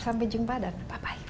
sampai jumpa dan bye bye